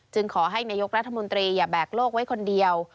ขอให้นายกรัฐมนตรีอย่าแบกโลกไว้คนเดียว